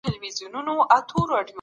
د دوی ژوند د کتابونو چاپېره څرخي.